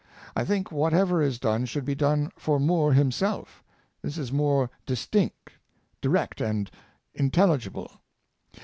I think whatever is done should be done for Moore himself This is more distinct, direct, and intelligible.